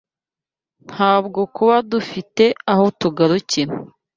Ntabwo kuba dufite aho tugarukira